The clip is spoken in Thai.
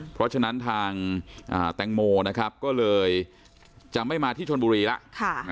เพราะฉะนั้นทางแตงโมนะครับก็เลยจะไม่มาที่ชนบุรีแล้ว